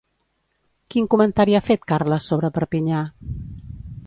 Quin comentari ha fet Carles sobre Perpinyà?